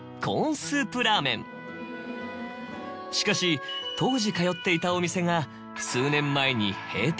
しかし当時通っていたお店が数年前に閉店。